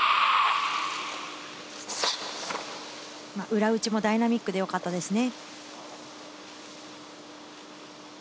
裏打ちもダイナミックで良かったですね。